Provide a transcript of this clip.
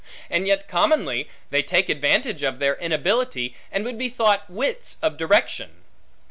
And yet commonly they take advantage of their inability, and would be thought wits of direction.